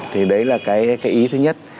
thì đấy là cái ý thứ nhất